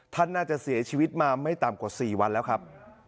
ท่านน่าจะเสียชีวิตมาไม่ต่ำกว่า๔วันแล้วครับ